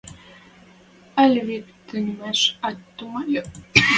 Ӓль вик тыменяш ат тумайы?